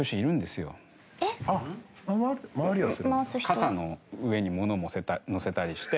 傘の上に物をのせたりして。